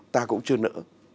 ta cũng chưa nỡ